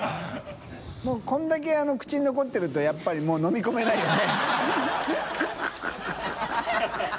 發これだけ口に残ってるとやっぱりもう飲み込めないよね。